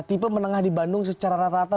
tipe menengah di bandung secara rata rata